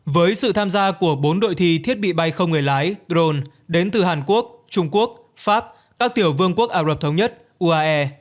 với sự tham gia của bốn đội thi thiết bị bay không người lái rone đến từ hàn quốc trung quốc pháp các tiểu vương quốc ả rập thống nhất uae